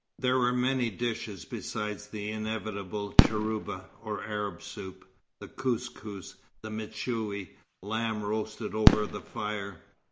There were many dishes besides the inevitable cheurba, or Arab soup, the kous kous, the mechoui, lamb roasted over the fire.